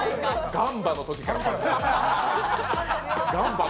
ガンバのときからの。